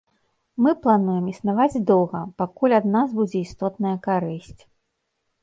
Мы плануем існаваць доўга, пакуль ад нас будзе істотная карысць.